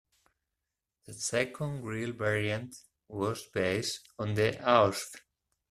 The second Grille variant was based on the Ausf.